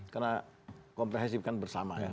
karena komprehensif kan bersama ya